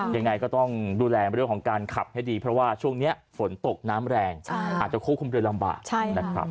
ยังไงก็ต้องดูแลเรื่องของการขับให้ดีเพราะว่าช่วงนี้ฝนตกน้ำแรงอาจจะควบคุมเรือลำบากนะครับ